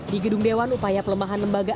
di gedung dewan upaya pelemahan lembaga